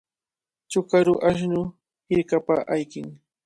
Chukaru ashnu hirkapa ayqin.